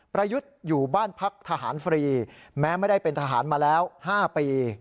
ประยุทธ์อยู่บ้านพักทหารฟรีแม้ไม่ได้เป็นทหารมาแล้ว๕ปี